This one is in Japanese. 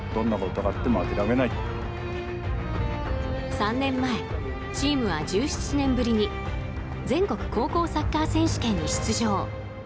３年前、チームは１７年ぶりに全国高校サッカー選手権に出場。